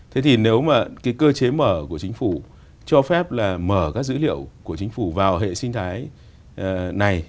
thế thì nếu mà cái cơ chế mở của chính phủ cho phép là mở các dữ liệu của chính phủ vào hệ sinh thái này